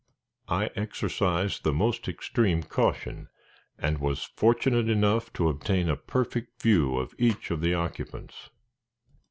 I exercised the most extreme caution, and was fortunate enough to obtain a perfect view of each of the occupants.